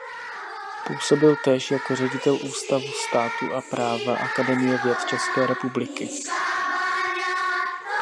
Působil též jako ředitel Ústavu státu a práva Akademie věd České republiky.